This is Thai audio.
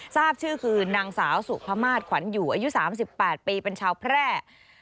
ทราบชื่อคือนางสาวสุพมาศขวัญอยู่อายุ๓๘ปีเป็นชาวแพร่